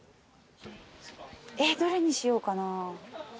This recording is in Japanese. えっどれにしようかな。